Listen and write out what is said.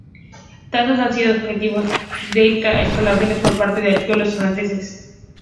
Tasos ha sido objeto de excavaciones por parte de arqueólogos franceses.